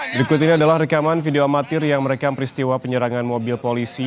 berikut ini adalah rekaman video amatir yang merekam peristiwa penyerangan mobil polisi